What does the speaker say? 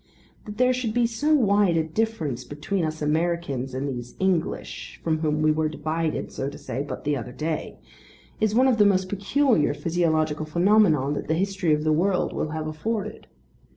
That there should be so wide a difference between us Americans and these English, from whom we were divided, so to say, but the other day, is one of the most peculiar physiological phenomena that the history of the world will have afforded.